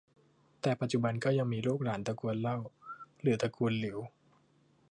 แต่ปัจจุบันก็ว่ายังมีลูกหลานตระกูลเล่า หรือตระกูลหลิว